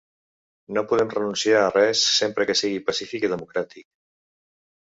No podem renunciar a res sempre que sigui pacífic i democràtic.